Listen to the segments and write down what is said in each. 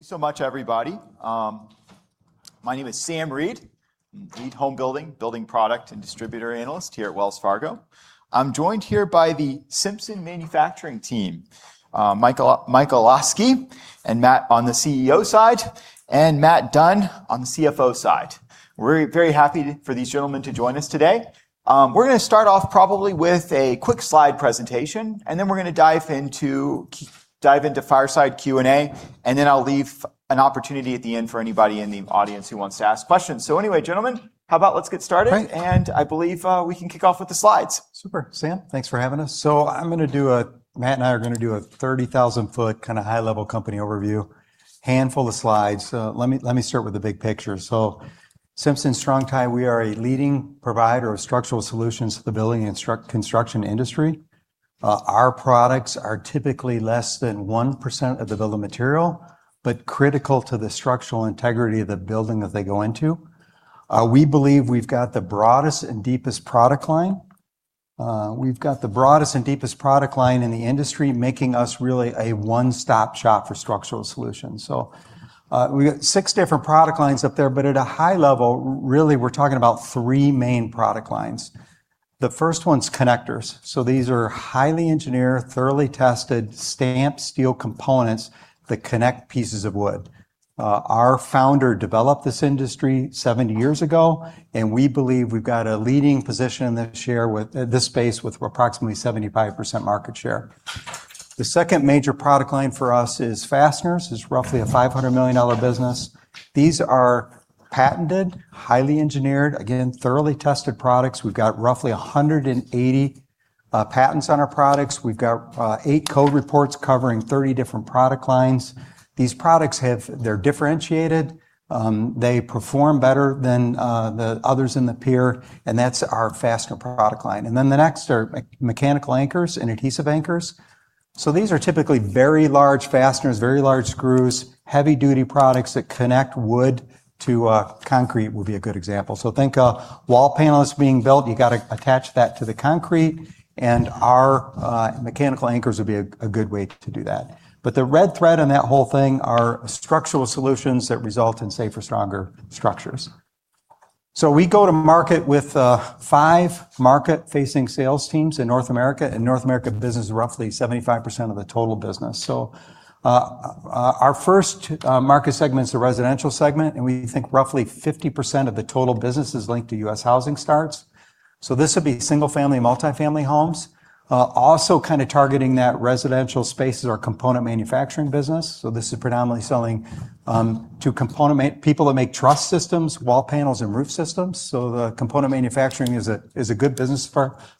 Thanks so much, everybody. My name is Sam Reid. I am lead home building product and distributor analyst here at Wells Fargo. I am joined here by the Simpson Manufacturing team, Mike Olosky and Matt on the CEO side, and Matt Dunn on the CFO side. We are very happy for these gentlemen to join us today. We are going to start off probably with a quick slide presentation, then we are going to dive into fireside Q&A, then I will leave an opportunity at the end for anybody in the audience who wants to ask questions. Anyway, gentlemen, how about let's get started? Great. I believe we can kick off with the slides. Super, Sam. Thanks for having us. Matt and I are going to do a 30,000-ft, kind of high-level company overview. Handful of slides. Let me start with the big picture. Simpson Strong-Tie, we are a leading provider of structural solutions to the building and construction industry. Our products are typically less than 1% of the build material, but critical to the structural integrity of the building that they go into. We believe we have got the broadest and deepest product line. We have got the broadest and deepest product line in the industry, making us really a one-stop shop for structural solutions. We got six different product lines up there, but at a high level, really, we are talking about three main product lines. The first one is connectors. These are highly engineered, thoroughly tested, stamped steel components that connect pieces of wood. Our founder developed this industry 70 years ago, and we believe we have got a leading position in this space with approximately 75% market share. The second major product line for us is fasteners. It is roughly a $500 million business. These are patented, highly engineered, again, thoroughly tested products. We have got roughly 180 patents on our products. We have got eight code reports covering 30 different product lines. These products, they are differentiated. They perform better than the others in the peer, that is our fastener product line. Then the next are mechanical anchors and adhesive anchors. These are typically very large fasteners, very large screws, heavy-duty products that connect wood to concrete, would be a good example. Think a wall panel that is being built, you got to attach that to the concrete, our mechanical anchors would be a good way to do that. The red thread in that whole thing are structural solutions that result in safer, stronger structures. We go to market with five market-facing sales teams in North America, and North America business is roughly 75% of the total business. Our first market segment's the Residential segment, and we think roughly 50% of the total business is linked to U.S. housing starts. This would be single-family and multi-family homes. Also kind of targeting that residential space is our component manufacturing business. This is predominantly selling to people that make truss systems, wall panels, and roof systems. The component manufacturing is a good business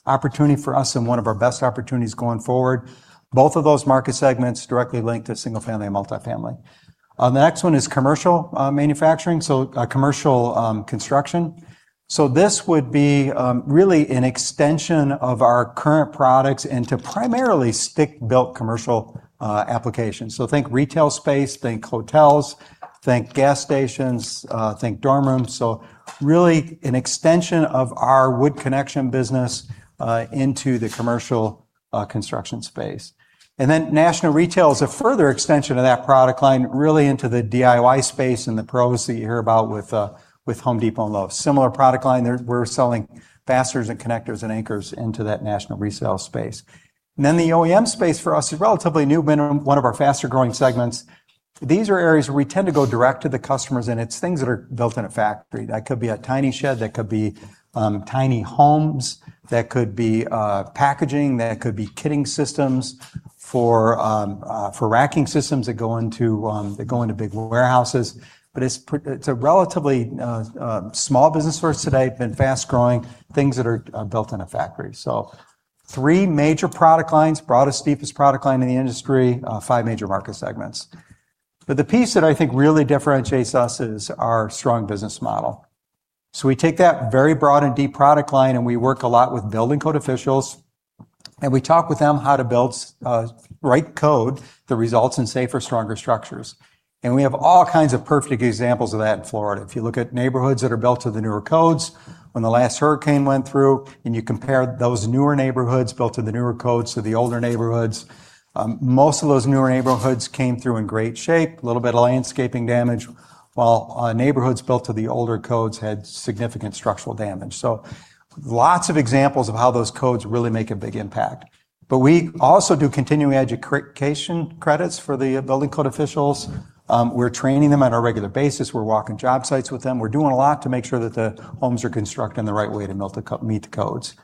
opportunity for us and one of our best opportunities going forward. Both of those market segments directly link to single-family and multi-family. The next one is commercial manufacturing, so commercial construction. This would be really an extension of our current products into primarily stick-built commercial applications. Think retail space, think hotels, think gas stations, think dorm rooms. Really an extension of our wood connection business into the commercial construction space. National retail is a further extension of that product line, really into the DIY space and the pros that you hear about with Home Depot and Lowe's. Similar product line. We're selling fasteners and connectors and anchors into that national retail space. The OEM space for us is relatively new, been one of our faster-growing segments. These are areas where we tend to go direct to the customers, and it's things that are built in a factory. That could be a tiny shed, that could be tiny homes, that could be packaging, that could be kitting systems for racking systems that go into big warehouses. It's a relatively small business for us today, been fast-growing. Things that are built in a factory. Three major product lines, broadest, deepest product line in the industry. Five major market segments. The piece that I think really differentiates us is our strong business model. We take that very broad and deep product line, we work a lot with building code officials, and we talk with them how to write code that results in safer, stronger structures. We have all kinds of perfect examples of that in Florida. If you look at neighborhoods that are built to the newer codes when the last hurricane went through, you compare those newer neighborhoods built to the newer codes to the older neighborhoods, most of those newer neighborhoods came through in great shape. Little bit of landscaping damage. While neighborhoods built to the older codes had significant structural damage. Lots of examples of how those codes really make a big impact. We also do continuing education credits for the building code officials. We're training them on a regular basis. We're walking job sites with them. We're doing a lot to make sure that the homes are constructed in the right way to meet the codes.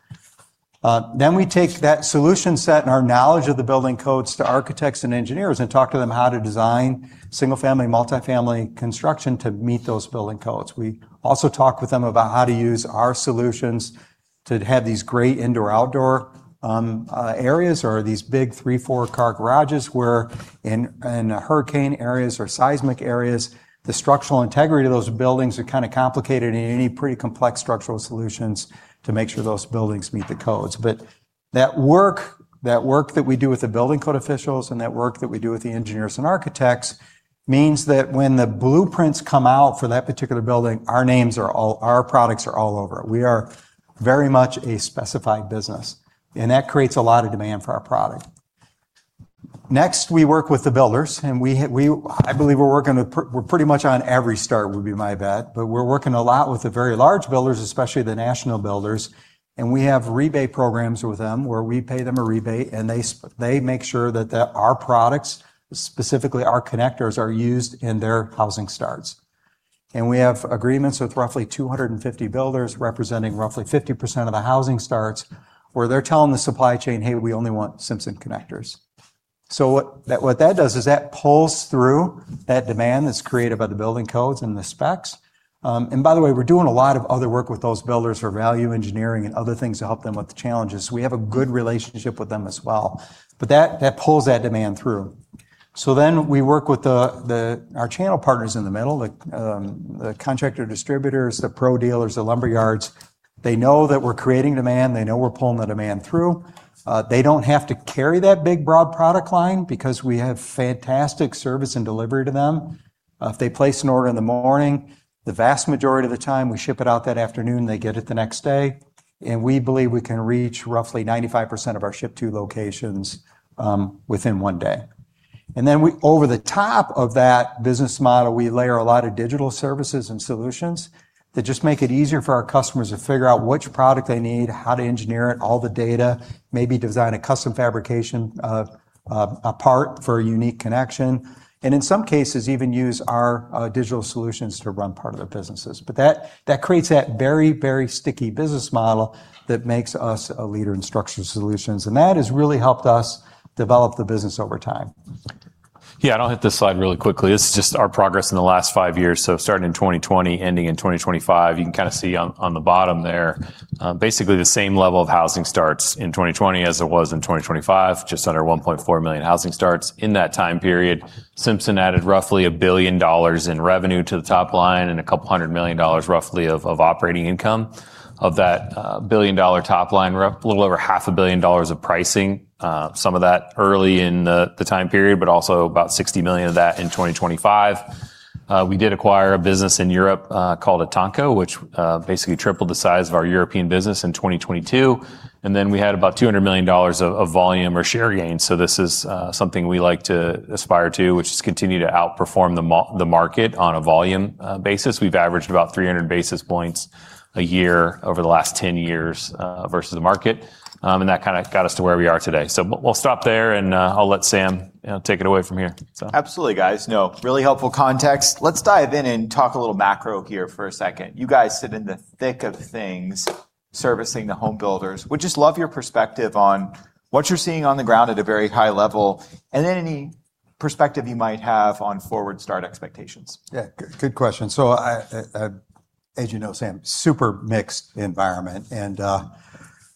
We take that solution set and our knowledge of the building codes to architects and engineers and talk to them how to design single-family, multi-family construction to meet those building codes. We also talk with them about how to use our solutions to have these great indoor-outdoor areas, or these big three, four-car garages where, in hurricane areas or seismic areas, the structural integrity of those buildings are kind of complicated, and you need pretty complex structural solutions to make sure those buildings meet the codes. That work that we do with the building code officials and that work that we do with the engineers and architects means that when the blueprints come out for that particular building, our products are all over it. We are very much a specified business. That creates a lot of demand for our product. Next, we work with the builders, and I believe we're working with pretty much on every start, would be my bet. We're working a lot with the very large builders, especially the national builders, and we have rebate programs with them where we pay them a rebate, and they make sure that our products, specifically our connectors, are used in their housing starts. We have agreements with roughly 250 builders representing roughly 50% of the housing starts, where they're telling the supply chain, "Hey, we only want Simpson connectors." What that does is that pulls through that demand that's created by the building codes and the specs. By the way, we're doing a lot of other work with those builders for value engineering and other things to help them with the challenges. We have a good relationship with them as well. That pulls that demand through. We work with our channel partners in the middle, the contractor distributors, the pro dealers, the lumberyards. They know that we're creating demand. They know we're pulling the demand through. They don't have to carry that big, broad product line because we have fantastic service and delivery to them. If they place an order in the morning, the vast majority of the time, we ship it out that afternoon, they get it the next day. We believe we can reach roughly 95% of our ship-to locations within one day. Over the top of that business model, we layer a lot of digital services and solutions that just make it easier for our customers to figure out which product they need, how to engineer it, all the data, maybe design a custom fabrication of a part for a unique connection. In some cases, even use our digital solutions to run part of their businesses. That creates that very, very sticky business model that makes us a leader in structural solutions. That has really helped us develop the business over time. Yeah, I'll hit this slide really quickly. This is just our progress in the last five years. Starting in 2020, ending in 2025. You can kind of see on the bottom there, basically the same level of housing starts in 2020 as it was in 2025, just under 1.4 million housing starts in that time period. Simpson added roughly $1 billion in revenue to the top line and $200 million roughly of operating income. Of that $1 billion top line, a little over $0.5 billion of pricing. Some of that early in the time period, also about $60 million of that in 2025. We did acquire a business in Europe, called ETANCO, which basically tripled the size of our European business in 2022. We had about $200 million of volume or share gains. This is something we like to aspire to, which is continue to outperform the market on a volume basis. We've averaged about 300 basis points a year over the last 10 years versus the market. That kind of got us to where we are today. We'll stop there and I'll let Sam take it away from here. Absolutely, guys. Really helpful context. Let's dive in and talk a little macro here for a second. You guys sit in the thick of things, servicing the home builders. Would just love your perspective on what you're seeing on the ground at a very high level, and then any perspective you might have on forward start expectations. Yeah. Good question. As you know, Sam, super mixed environment, and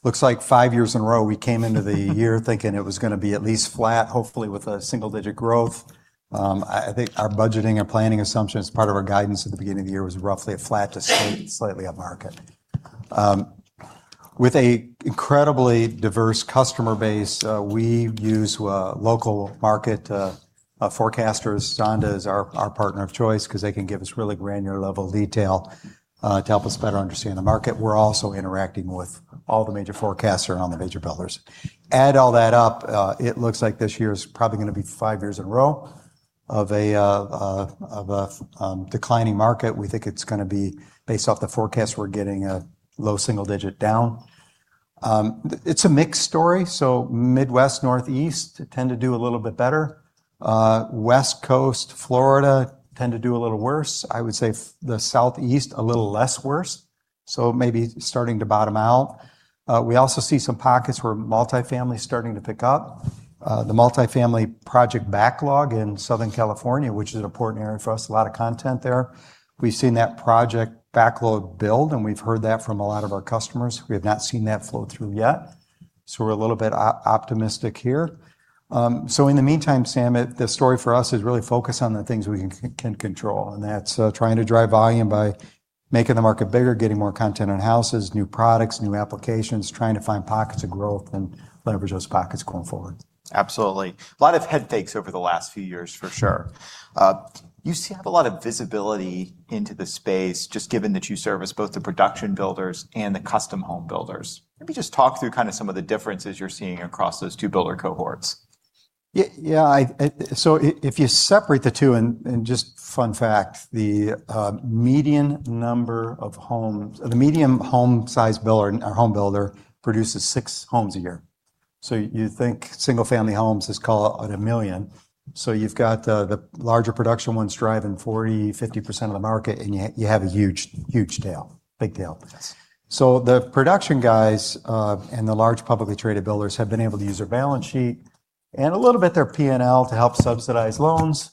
looks like five years in a row, we came into the year thinking it was going to be at least flat, hopefully with a single-digit growth. I think our budgeting and planning assumption, as part of our guidance at the beginning of the year, was roughly a flat to slightly up market. With an incredibly diverse customer base, we use local market forecasters. Zonda is our partner of choice because they can give us really granular level detail to help us better understand the market. We're also interacting with all the major forecasters around the major builders. Add all that up, it looks like this year is probably going to be five years in a row of a declining market. We think it's going to be based off the forecast we're getting a low single digit down. It's a mixed story. Midwest, Northeast tend to do a little bit better. West Coast, Florida tend to do a little worse. I would say the Southeast, a little less worse. Maybe starting to bottom out. We also see some pockets where multifamily's starting to pick up. The multifamily project backlog in Southern California, which is an important area for us, a lot of content there. We've seen that project backlog build, and we've heard that from a lot of our customers. We have not seen that flow through yet. We're a little bit optimistic here. In the meantime, Sam, the story for us is really focused on the things we can control, and that's trying to drive volume by making the market bigger, getting more content on houses, new products, new applications, trying to find pockets of growth, and leverage those pockets going forward. Absolutely. A lot of head fakes over the last few years, for sure. You seem to have a lot of visibility into the space, just given that you service both the production builders and the custom home builders. Maybe just talk through kind of some of the differences you're seeing across those two builder cohorts. Yeah. If you separate the two, and just fun fact, the median home size builder or home builder produces six homes a year. You think single-family homes is call it $1 million. You've got the larger production ones driving 40%-50% of the market, and yet you have a huge tail. Big tail. Yes. The production guys, and the large publicly traded builders, have been able to use their balance sheet and a little bit their P&L to help subsidize loans.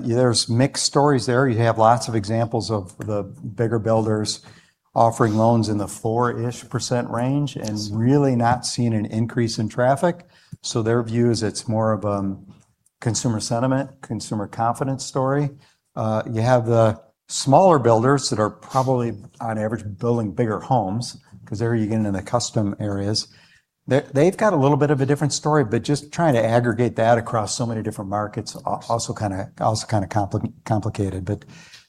There's mixed stories there. You have lots of examples of the bigger builders offering loans in the 4-ish % range and really not seeing an increase in traffic. Their view is it's more of a consumer sentiment, consumer confidence story. You have the smaller builders that are probably, on average, building bigger homes because there you're getting into the custom areas. They've got a little bit of a different story, just trying to aggregate that across so many different markets, also kind of complicated.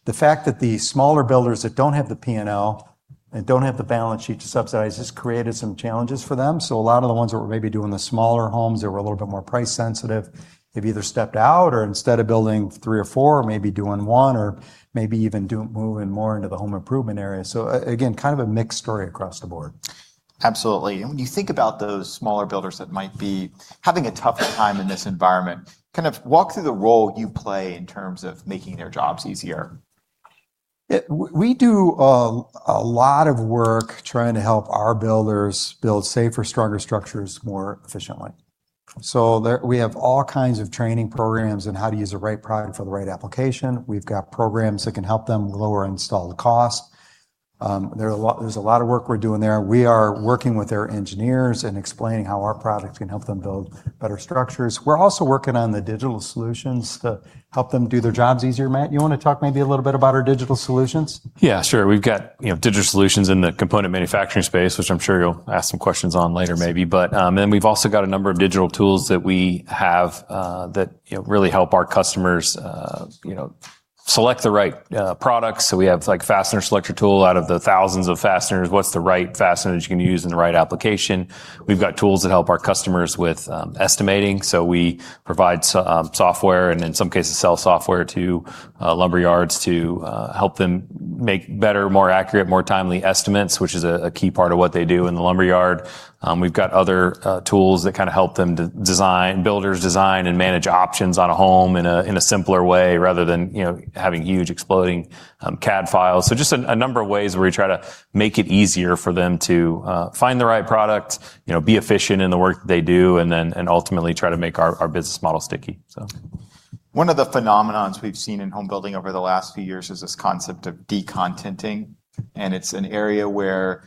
The fact that the smaller builders that don't have the P&L and don't have the balance sheet to subsidize, it's created some challenges for them. A lot of the ones that were maybe doing the smaller homes that were a little bit more price sensitive have either stepped out, or instead of building three or four, maybe doing one, or maybe even moving more into the home improvement area. Again, kind of a mixed story across the board. Absolutely. When you think about those smaller builders that might be having a tougher time in this environment, kind of walk through the role you play in terms of making their jobs easier. We do a lot of work trying to help our builders build safer, stronger structures more efficiently. There, we have all kinds of training programs on how to use the right product for the right application. We've got programs that can help them lower installed costs. There's a lot of work we're doing there. We are working with their engineers and explaining how our products can help them build better structures. We're also working on the digital solutions to help them do their jobs easier. Matt, you want to talk maybe a little bit about our digital solutions? Yeah, sure. We've got digital solutions in the component manufacturing space, which I'm sure you'll ask some questions on later maybe. We've also got a number of digital tools that we have that really help our customers select the right products. We have a fastener selector tool. Out of the thousands of fasteners, what's the right fastener that you can use in the right application? We've got tools that help our customers with estimating. We provide some software and in some cases, sell software to lumber yards to help them make better, more accurate, more timely estimates, which is a key part of what they do in the lumber yard. We've got other tools that kind of help builders design and manage options on a home in a simpler way, rather than having huge exploding CAD files. Just a number of ways where we try to make it easier for them to find the right product, be efficient in the work that they do, and then ultimately try to make our business model sticky. One of the phenomenons we've seen in home building over the last few years is this concept of decontenting, and it's an area where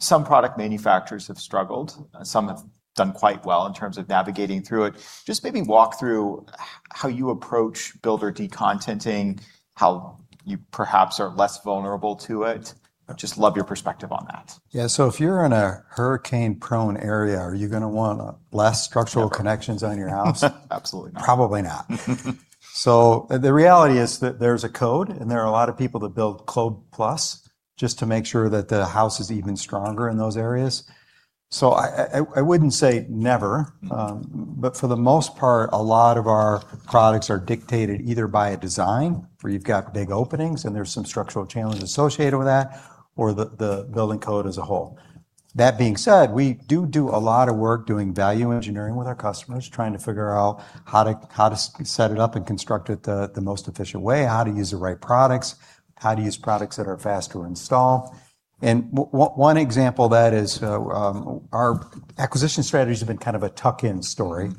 some product manufacturers have struggled. Some have done quite well in terms of navigating through it. Just maybe walk through how you approach builder decontenting, how you perhaps are less vulnerable to it. I'd just love your perspective on that. If you're in a hurricane-prone area, are you going to want less structural connections- Never On your house? Absolutely not. Probably not. The reality is that there's a code, and there are a lot of people that build code plus, just to make sure that the house is even stronger in those areas. I wouldn't say never. For the most part, a lot of our products are dictated either by a design, where you've got big openings and there's some structural challenges associated with that, or the building code as a whole. That being said, we do do a lot of work doing value engineering with our customers, trying to figure out how to set it up and construct it the most efficient way, how to use the right products, how to use products that are faster to install. One example of that is our acquisition strategies have been kind of a tuck-in story.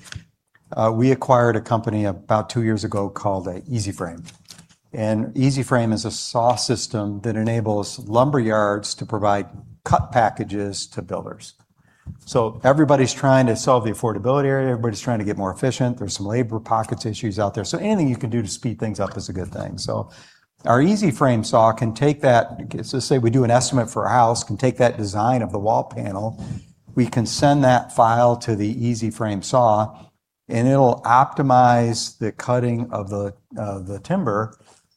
We acquired a company about two years ago called EasyFrame. EasyFrame is a saw system that enables lumber yards to provide cut packages to builders. Everybody's trying to solve the affordability area, everybody's trying to get more efficient. There's some labor pockets issues out there. Anything you can do to speed things up is a good thing. Our EasyFrame saw can take that, let's say we do an estimate for a house, can take that design of the wall panel, we can send that file to the EasyFrame saw, and it'll optimize the cutting of the timber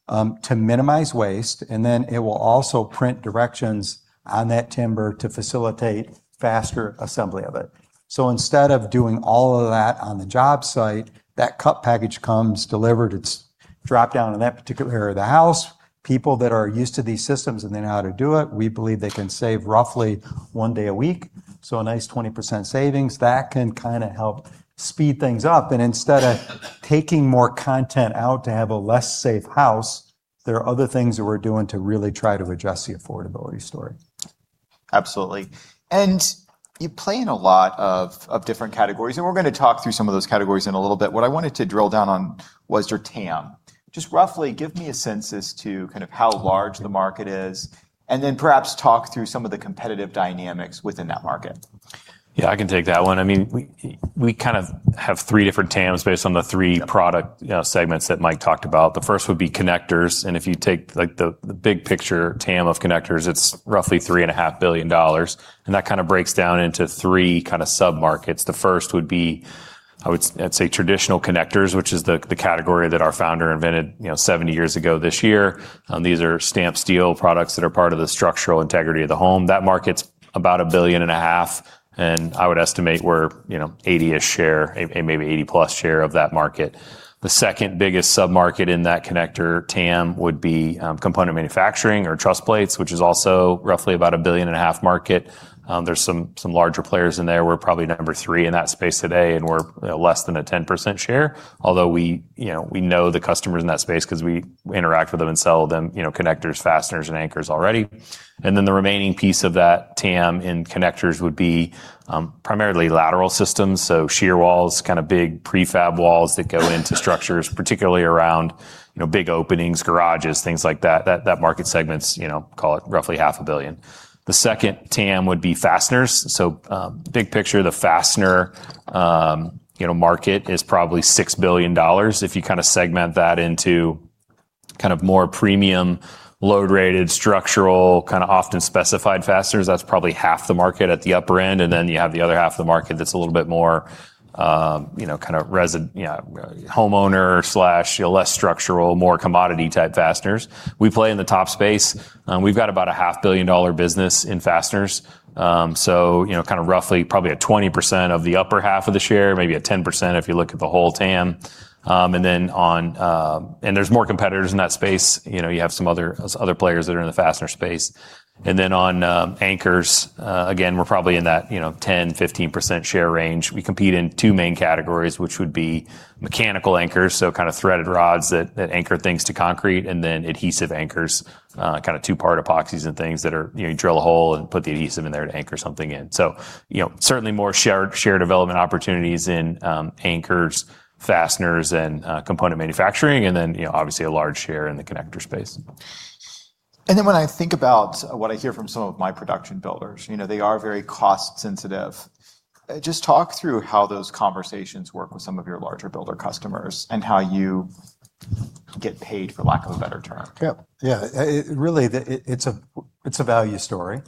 to minimize waste, and then it will also print directions on that timber to facilitate faster assembly of it. Instead of doing all of that on the job site, that cut package comes delivered, it's dropped down in that particular area of the house. People that are used to these systems and they know how to do it, we believe they can save roughly one day a week. A nice 20% savings. That can kind of help speed things up, and instead of taking more content out to have a less safe house, there are other things that we're doing to really try to address the affordability story. Absolutely. You play in a lot of different categories, and we're going to talk through some of those categories in a little bit. What I wanted to drill down on was your TAM. Roughly give me a sense as to kind of how large the market is, and then perhaps talk through some of the competitive dynamics within that market. Yeah, I can take that one. We kind of have three different TAMs based on the three product segments that Mike talked about. The first would be connectors. If you take the big picture TAM of connectors, it's roughly $3.5 billion, and that kind of breaks down into three sub-markets. The first would be, I'd say, traditional connectors, which is the category that our founder invented 70 years ago this year. These are stamped steel products that are part of the structural integrity of the home. That market's about a $1.5 billion, and I would estimate we're 80-ish% share, maybe 80%+ share of that market. The second biggest sub-market in that connector TAM would be component manufacturing or truss plates, which is also roughly about a $1.5 billion market. There's some larger players in there. We're probably number three in that space today, and we're less than a 10% share. Although we know the customers in that space because we interact with them and sell them connectors, fasteners, and anchors already. The remaining piece of that TAM in connectors would be primarily lateral systems, so shear walls, kind of big prefab walls that go into structures, particularly around big openings, garages, things like that. That market segment's, call it, roughly $500 million. The second TAM would be fasteners. Big picture, the fastener market is probably $6 billion. If you kind of segment that into kind of more premium load-rated structural, kind of often specified fasteners, that's probably half the market at the upper end, and then you have the other half of the market that's a little bit more, kind of homeowner/less structural, more commodity-type fasteners. We play in the top space. We've got about a half billion dollar business in fasteners. Kind of roughly, probably a 20% of the upper half of the share, maybe a 10%, if you look at the whole TAM. There's more competitors in that space. You have some other players that are in the fastener space. Then on anchors, again, we're probably in that 10%-15% share range. We compete in two main categories, which would be mechanical anchors, so kind of threaded rods that anchor things to concrete, and then adhesive anchors, kind of two-part epoxies and things that you drill a hole and put the adhesive in there to anchor something in. Certainly more share development opportunities in anchors, fasteners, and component manufacturing, and then obviously a large share in the connector space. When I think about what I hear from some of my production builders, they are very cost sensitive. Just talk through how those conversations work with some of your larger builder customers, and how you get paid, for lack of a better term. Yep. Yeah. Really, it's a value story.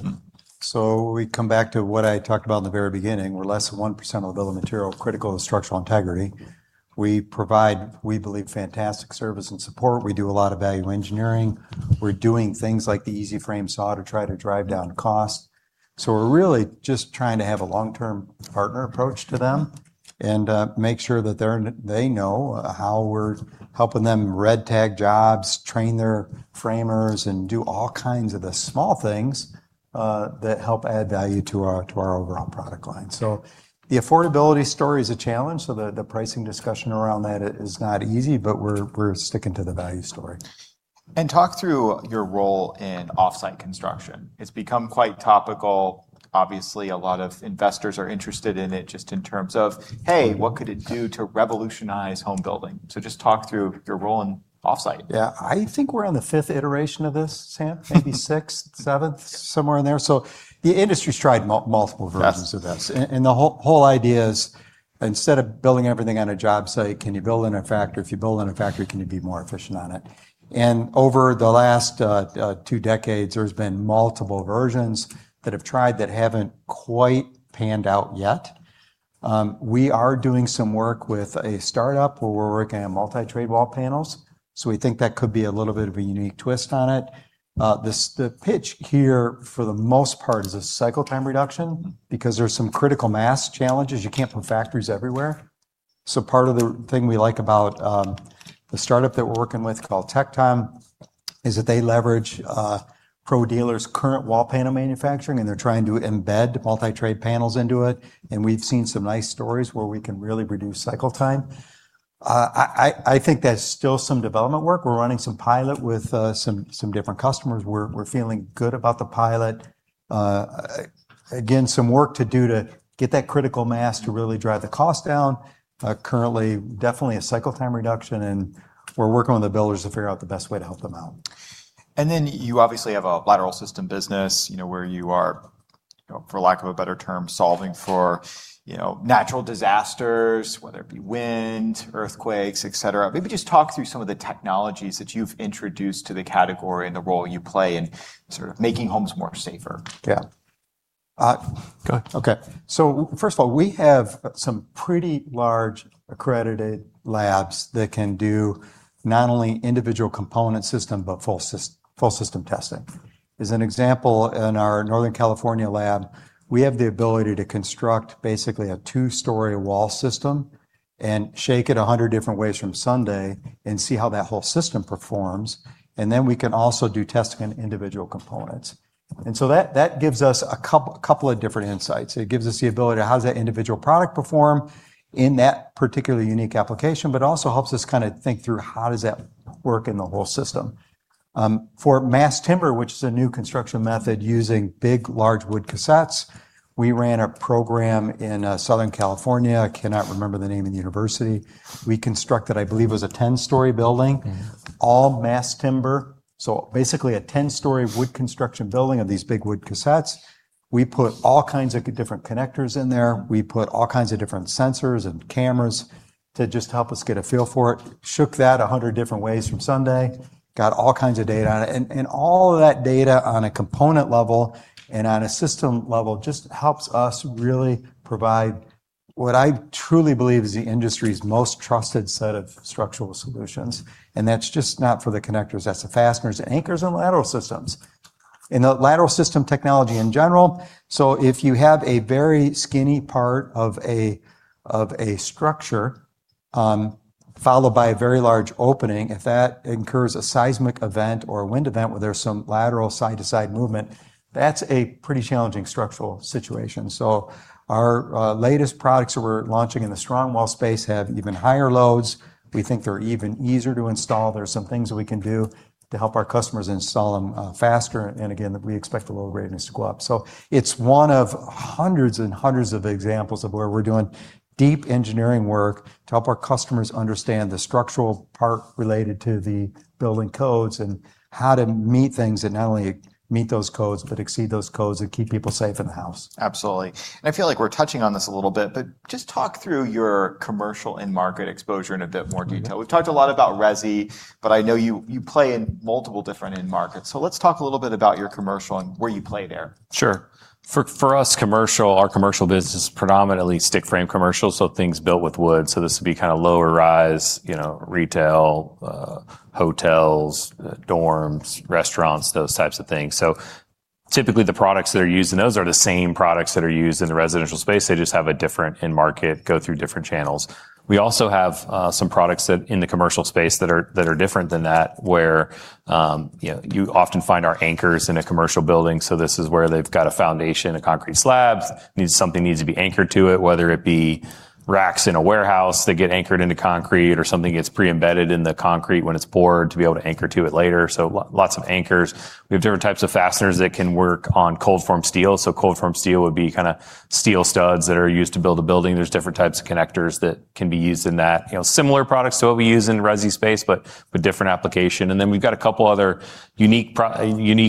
We come back to what I talked about in the very beginning. We're less than 1% of the building material critical to structural integrity. We provide, we believe, fantastic service and support. We do a lot of value engineering. We're doing things like the EasyFrame Saw to try to drive down cost. We're really just trying to have a long-term partner approach to them and make sure that they know how we're helping them red tag jobs, train their framers, and do all kinds of the small things that help add value to our overall product line. The affordability story is a challenge, the pricing discussion around that is not easy, but we're sticking to the value story. Talk through your role in offsite construction. It's become quite topical. Obviously, a lot of investors are interested in it just in terms of, "Hey, what could it do to revolutionize homebuilding?" Just talk through your role in offsite. Yeah. I think we're on the fifth iteration of this, Sam. Maybe sixth, seventh, somewhere in there. The industry's tried multiple versions Yes Of this, the whole idea is instead of building everything on a job site, can you build it in a factory? If you build it in a factory, can you be more efficient on it? Over the last two decades, there's been multiple versions that have tried that haven't quite panned out yet. We are doing some work with a startup where we're working on multi-trade wall panels, we think that could be a little bit of a unique twist on it. The pitch here, for the most part, is a cycle time reduction because there's some critical mass challenges. You can't put factories everywhere. Part of the thing we like about the startup that we're working with called Tech Time is that they leverage Pro dealer's current wall panel manufacturing, they're trying to embed multi-trade panels into it, we've seen some nice stories where we can really reduce cycle time. I think that's still some development work. We're running some pilot with some different customers. We're feeling good about the pilot. Again, some work to do to get that critical mass to really drive the cost down. Currently, definitely a cycle time reduction, we're working with the builders to figure out the best way to help them out. Then you obviously have a lateral system business, where you are, for lack of a better term, solving for natural disasters, whether it be wind, earthquakes, et cetera. Maybe just talk through some of the technologies that you've introduced to the category and the role you play in sort of making homes more safer. Yeah. Go ahead. Okay. First of all, we have some pretty large accredited labs that can do not only individual component system, but full system testing. As an example, in our Northern California lab, we have the ability to construct basically a two-story wall system and shake it 100 different ways from Sunday and see how that whole system performs, and then we can also do testing on individual components. That gives us a couple of different insights. It gives us the ability to how does that individual product perform in that particular unique application, but also helps us kind of think through how does that work in the whole system? For Mass Timber, which is a new construction method using big, large wood cassettes, we ran a program in Southern California. I cannot remember the name of the university. We constructed, I believe it was a 10-story building. All Mass Timber, so basically a 10-story wood construction building of these big wood cassettes. We put all kinds of different connectors in there. We put all kinds of different sensors and cameras to just help us get a feel for it. Shook that 100 different ways from Sunday, got all kinds of data on it, and all of that data on a component level and on a system level just helps us really provide what I truly believe is the industry's most trusted set of structural solutions, and that's just not for the connectors. That's the fasteners, the anchors, and lateral systems. The lateral system technology in general, so if you have a very skinny part of a structure followed by a very large opening, if that incurs a seismic event or a wind event where there's some lateral side-to-side movement, that's a pretty challenging structural situation. Our latest products that we're launching in the Strong-Wall space have even higher loads. We think they're even easier to install. There are some things that we can do to help our customers install them faster, and again, we expect the load ratings to go up. It's one of hundreds and hundreds of examples of where we're doing deep engineering work to help our customers understand the structural part related to the building codes and how to meet things, and not only meet those codes, but exceed those codes and keep people safe in the house. Absolutely. I feel like we're touching on this a little bit, but just talk through your commercial end market exposure in a bit more detail. We've talked a lot about resi, but I know you play in multiple different end markets. Let's talk a little bit about your commercial and where you play there. Sure. For us, our commercial business is predominantly stick frame commercial, so things built with wood. This would be kind of lower rise, retail, hotels, dorms, restaurants, those types of things. Typically, the products that are used in those are the same products that are used in the residential space. They just have a different end market, go through different channels. We also have some products in the commercial space that are different than that, where you often find our anchors in a commercial building. This is where they've got a foundation, a concrete slab, something needs to be anchored to it, whether it be racks in a warehouse that get anchored into concrete or something gets pre-embedded in the concrete when it's poured to be able to anchor to it later. Lots of anchors. We have different types of fasteners that can work on cold-formed steel. Cold-formed steel would be steel studs that are used to build a building. There's different types of connectors that can be used in that. Similar products to what we use in resi space, but different application. Then we've got a couple other unique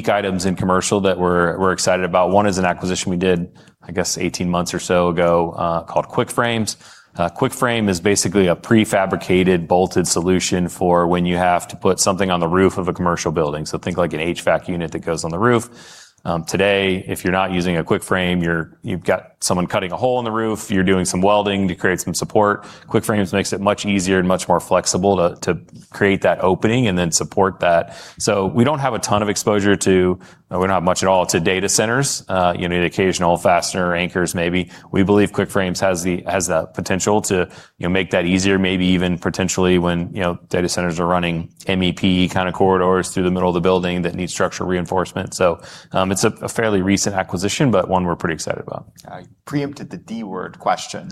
items in commercial that we're excited about. One is an acquisition we did, I guess 18 months or so ago, called QuickFrames. QuickFrames is basically a prefabricated bolted solution for when you have to put something on the roof of a commercial building. Think like an HVAC unit that goes on the roof. Today, if you're not using a QuickFrames, you've got someone cutting a hole in the roof. You're doing some welding to create some support. QuickFrames makes it much easier and much more flexible to create that opening and then support that. We don't have a ton of exposure to, or we don't have much at all to data centers. The occasional fastener anchors, maybe. We believe QuickFrames has the potential to make that easier, maybe even potentially when data centers are running MEP kind of corridors through the middle of the building that need structural reinforcement. It's a fairly recent acquisition, but one we're pretty excited about. I preempted the D word question.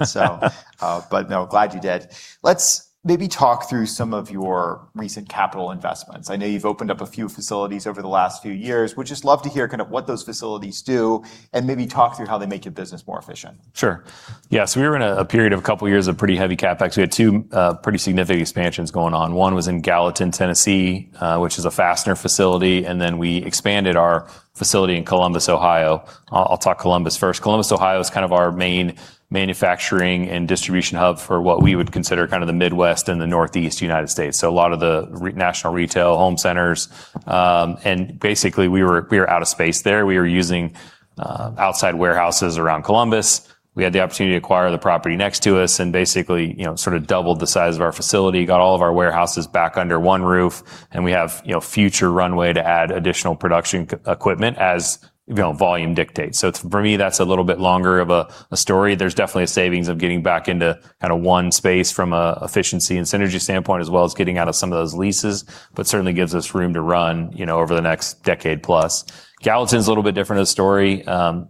No, glad you did. Let's maybe talk through some of your recent capital investments. I know you've opened up a few facilities over the last few years. Would just love to hear what those facilities do and maybe talk through how they make your business more efficient. Sure. Yeah. We were in a period of a couple of years of pretty heavy CapEx. We had two pretty significant expansions going on. One was in Gallatin, Tennessee, which is a fastener facility, and then we expanded our facility in Columbus, Ohio. I'll talk Columbus first. Columbus, Ohio is kind of our main manufacturing and distribution hub for what we would consider the Midwest and the Northeast U.S. A lot of the national retail home centers. Basically, we were out of space there. We were using outside warehouses around Columbus. We had the opportunity to acquire the property next to us and basically, sort of doubled the size of our facility, got all of our warehouses back under one roof, and we have future runway to add additional production equipment as volume dictates. For me, that's a little bit longer of a story. There's definitely a savings of getting back into one space from an efficiency and synergy standpoint, as well as getting out of some of those leases, but certainly gives us room to run over the next decade plus. Gallatin's a little bit different of a story.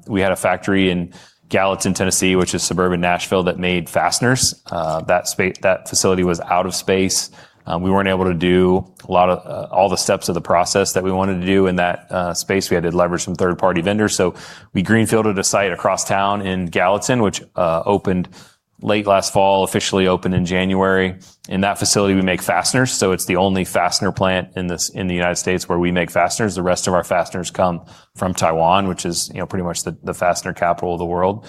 We had a factory in Gallatin, Tennessee, which is suburban Nashville, that made fasteners. That facility was out of space. We weren't able to do all the steps of the process that we wanted to do in that space. We had to leverage some third-party vendors. We greenfielded a site across town in Gallatin, which opened late last fall, officially opened in January. In that facility, we make fasteners, so it's the only fastener plant in the U.S. where we make fasteners. The rest of our fasteners come from Taiwan, which is pretty much the fastener capital of the world.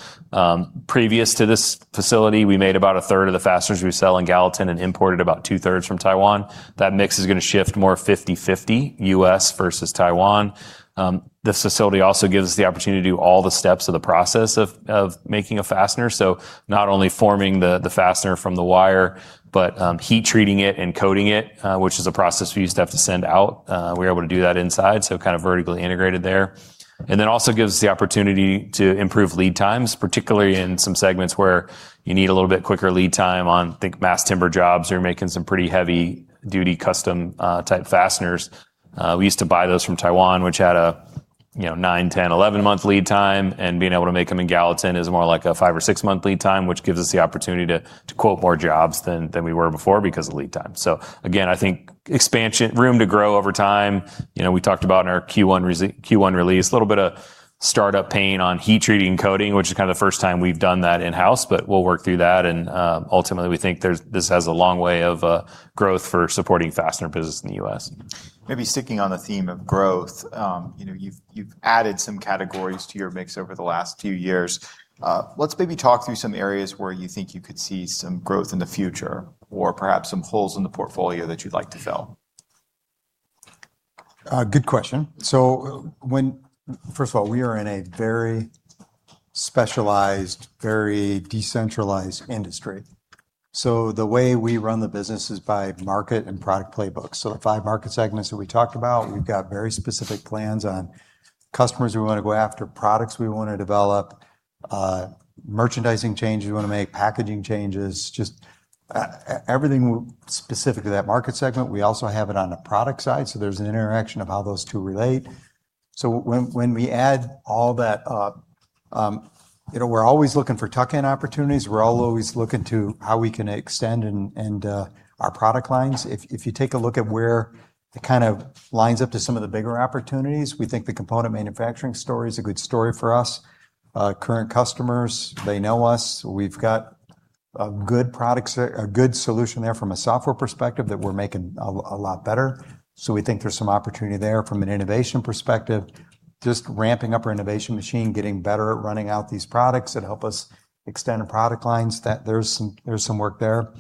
Previous to this facility, we made about a third of the fasteners we sell in Gallatin and imported about two-thirds from Taiwan. That mix is going to shift more 50/50, U.S. versus Taiwan. This facility also gives the opportunity to do all the steps of the process of making a fastener. Not only forming the fastener from the wire, but heat treating it and coating it, which is a process we used to have to send out. We're able to do that inside, so kind of vertically integrated there. Also gives us the opportunity to improve lead times, particularly in some segments where you need a little bit quicker lead time on, think mass timber jobs. You're making some pretty heavy-duty custom type fasteners. We used to buy those from Taiwan, which had a nine, 10, 11 month lead time, being able to make them in Gallatin is more like a five or six month lead time, which gives us the opportunity to quote more jobs than we were before because of lead time. Again, I think expansion, room to grow over time. We talked about in our Q1 release, a little bit of startup pain on heat treating coating, which is kind of the first time we've done that in-house, but we'll work through that. Ultimately, we think this has a long way of growth for supporting fastener business in the U.S. Maybe sticking on the theme of growth. You've added some categories to your mix over the last few years. Let's maybe talk through some areas where you think you could see some growth in the future or perhaps some holes in the portfolio that you'd like to fill. Good question. First of all, we are in a very specialized, very decentralized industry. The way we run the business is by market and product playbook. The five market segments that we talked about, we've got very specific plans on customers we want to go after, products we want to develop, merchandising changes we want to make, packaging changes, just everything specific to that market segment. We also have it on the product side, there's an interaction of how those two relate. When we add all that, we're always looking for tuck-in opportunities. We're always looking to how we can extend our product lines. If you take a look at where it kind of lines up to some of the bigger opportunities, we think the component manufacturing story is a good story for us. Current customers, they know us. We've got a good solution there from a software perspective that we're making a lot better. We think there's some opportunity there from an innovation perspective. Just ramping up our innovation machine, getting better at running out these products that help us extend our product lines, there's some work there.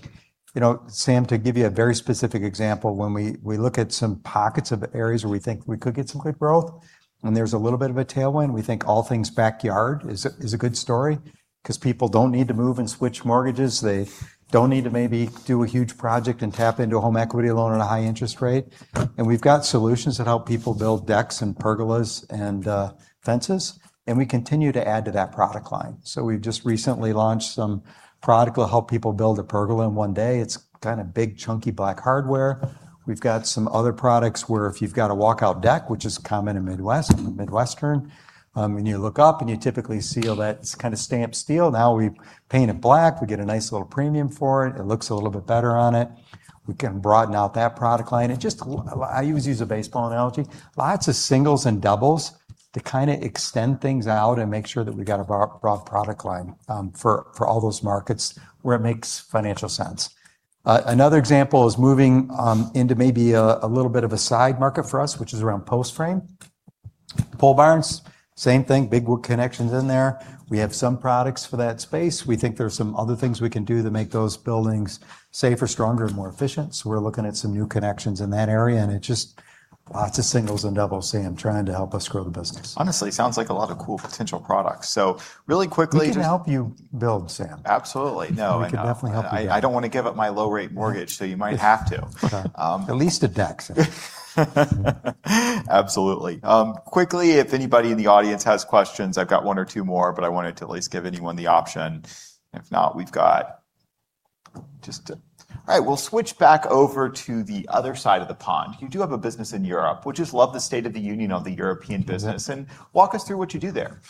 Sam, to give you a very specific example, when we look at some pockets of areas where we think we could get some good growth, and there's a little bit of a tailwind, we think all things backyard is a good story. 'Cause people don't need to move and switch mortgages, they don't need to maybe do a huge project and tap into a home equity loan at a high interest rate. We've got solutions that help people build decks and pergolas and fences, and we continue to add to that product line. We've just recently launched some product that'll help people build a pergola in one day. It's kind of big, chunky black hardware. We've got some other products where if you've got a walk-out deck, which is common in Midwestern, when you look up and you typically see all that kind of stamped steel. Now we paint it black, we get a nice little premium for it. It looks a little bit better on it. We can broaden out that product line. I always use a baseball analogy. Lots of singles and doubles to extend things out and make sure that we've got a broad product line for all those markets where it makes financial sense. Another example is moving into maybe a little bit of a side market for us, which is around post-frame. Pole barns, same thing, big wood connections in there. We have some products for that space. We think there's some other things we can do to make those buildings safer, stronger, and more efficient. We're looking at some new connections in that area, and it's just lots of singles and doubles, Sam, trying to help us grow the business. Honestly, it sounds like a lot of cool potential products. We can help you build, Sam. Absolutely. No. We can definitely help you build. I don't want to give up my low rate mortgage, you might have to. At least a deck. Absolutely. Quickly, if anybody in the audience has questions, I've got one or two more, but I wanted to at least give anyone the option. If not, we've got. We'll switch back over to the other side of the pond. You do have a business in Europe. Would just love the state of the union of the European business, walk us through what you do there.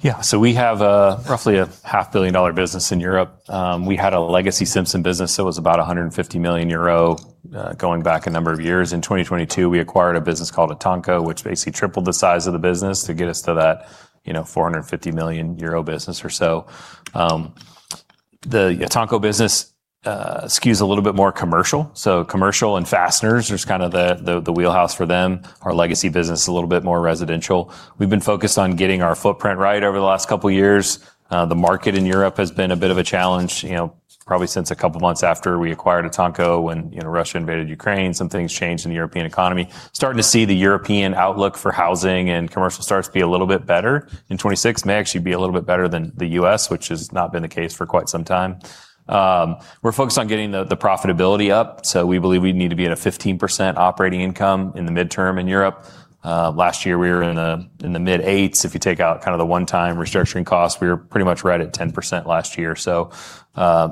Yeah. We have roughly a $500 million business in Europe. We had a legacy Simpson business that was about 150 million euro, going back a number of years. In 2022, we acquired a business called ETANCO, which basically tripled the size of the business to get us to that 450 million euro business or so. The ETANCO business skews a little bit more commercial. Commercial and fasteners is kind of the wheelhouse for them. Our legacy business, a little bit more residential. We've been focused on getting our footprint right over the last two years. The market in Europe has been a bit of a challenge, probably since a couple of months after we acquired ETANCO, when Russia invaded Ukraine. Some things changed in the European economy. Starting to see the European outlook for housing and commercial starts be a little bit better. In 2026 may actually be a little bit better than the U.S., which has not been the case for quite some time. We're focused on getting the profitability up, we believe we need to be at a 15% operating income in the midterm in Europe. Last year, we were in the mid-8s. If you take out kind of the one-time restructuring costs, we were pretty much right at 10% last year.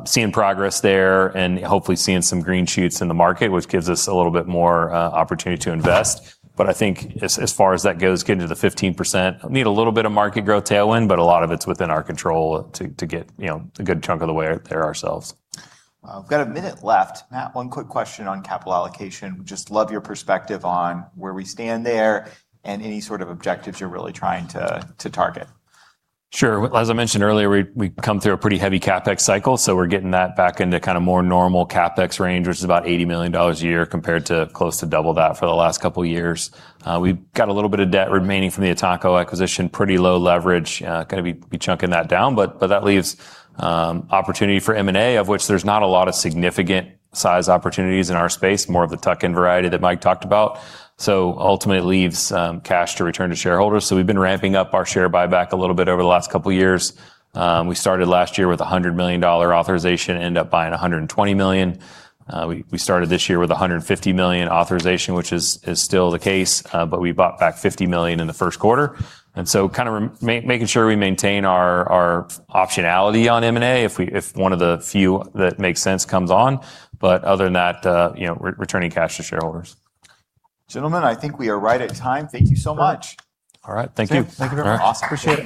Seeing progress there and hopefully seeing some green shoots in the market, which gives us a little bit more opportunity to invest. I think as far as that goes, getting to the 15%, need a little bit of market growth tailwind, but a lot of it's within our control to get a good chunk of the way there ourselves. We've got a minute left. Matt, one quick question on capital allocation. Would just love your perspective on where we stand there and any sort of objectives you're really trying to target. Sure. As I mentioned earlier, we've come through a pretty heavy CapEx cycle, we're getting that back into kind of more normal CapEx range, which is about $80 million a year compared to close to double that for the last couple of years. We've got a little bit of debt remaining from the ETANCO acquisition. Pretty low leverage. Going to be chunking that down, that leaves opportunity for M&A, of which there's not a lot of significant size opportunities in our space, more of the tuck-in variety that Mike talked about. Ultimately, it leaves cash to return to shareholders. We've been ramping up our share buyback a little bit over the last couple of years. We started last year with $100 million authorization, ended up buying $120 million. We started this year with $150 million authorization, which is still the case, but we bought back $50 million in the first quarter. Kind of making sure we maintain our optionality on M&A if one of the few that makes sense comes on. Other than that, we're returning cash to shareholders. Gentlemen, I think we are right at time. Thank you so much. All right. Thank you. Sam, thank you very much. Awesome. Appreciate it.